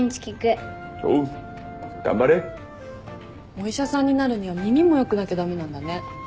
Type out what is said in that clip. お医者さんになるには耳も良くなきゃ駄目なんだね。